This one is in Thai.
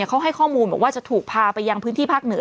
เขาให้ข้อมูลบอกว่าจะถูกพาไปยังพื้นที่ภาคเหนือ